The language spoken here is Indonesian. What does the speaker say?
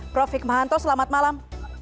prof hikmahanto selamat malam